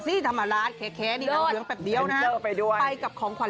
ซี่ธรรมราชแคนี่หนังเดือนแบบเดียวนะไปกับของขวัญ